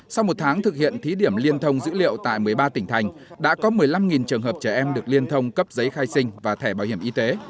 sau một tháng thực hiện thí điểm liên thông dữ liệu tại một mươi ba tỉnh thành đã có một mươi năm trường hợp trẻ em được liên thông cấp giấy khai sinh và thẻ bảo hiểm y tế